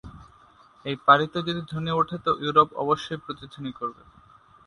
এই পারিতে যদি ধ্বনি ওঠে তো ইউরোপ অবশ্যই প্রতিধ্বনি করবে।